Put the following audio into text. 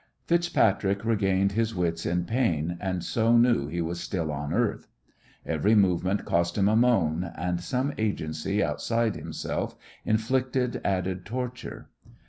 FitzPatrick regained his wits in pain, and so knew he was still on earth. Every movement cost him a moan, and some agency outside himself inflicted added torture.